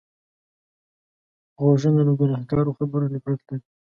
غوږونه له ګناهکارو خبرو نفرت لري